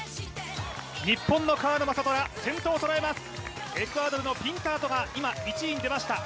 日本の川野将虎、先頭を捉えます。